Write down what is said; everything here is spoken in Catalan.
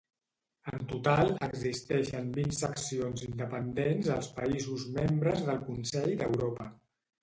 En total existeixen vint seccions independents als països membres del Consell d'Europa.